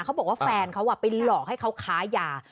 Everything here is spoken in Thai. เขาบอกว่าแฟนเขาไปหลอกให้เขาค้ายา